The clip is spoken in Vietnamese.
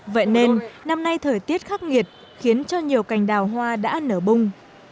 vậy nên năm nay thời tiết khắc nghiệt khiến cho nhiều cành đào hoa đã nở bung